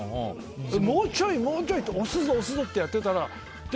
もうちょい、もうちょい押すぞ、押すぞってやってたら。